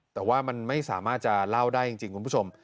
แต่ว่ามันไม่สามารถจะเล่าได้จริงคุณผู้ชม